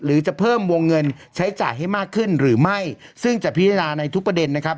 จะเพิ่มวงเงินใช้จ่ายให้มากขึ้นหรือไม่ซึ่งจะพิจารณาในทุกประเด็นนะครับ